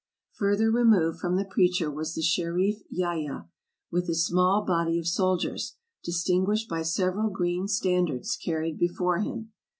Further removed from the preacher was the Sherif Yahya, with his small body of soldiers, distinguished by several green stand ards carried before him.